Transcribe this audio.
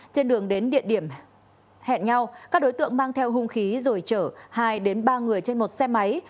trên đường đến địa điểm hẹn nhau các đối tượng mang theo hung khí rồi chở hai đến ba người trên một xe máy